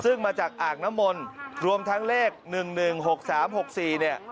ซึ่งมาจากอ่างน้ำมนต์รวมทั้งเลข๑๑๖๓๖๔เนี่ย